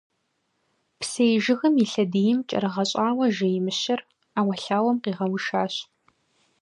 Псей жыгым и лъэдийм кӀэрыгъэщӀауэ жей Мыщэр ӏэуэлъауэм къигъэушащ.